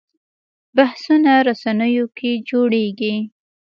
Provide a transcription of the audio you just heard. بحثونه رسنیو کې جوړېږي